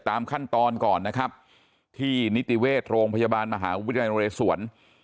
ตามขั้นตอนก่อนนะครับที่นิติเวชโรงพยาบาลมหาวิทยาลัยนเรศวร